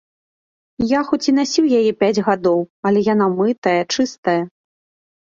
Я хоць і насіў яе пяць гадоў, але яна мытая, чыстая!